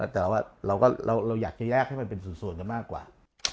แต่ว่าผมอยากต้องแยกให้เป็นส่วนมากกว่า